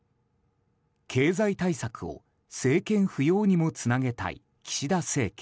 経済対策を政権浮揚にもつなげたい岸田政権。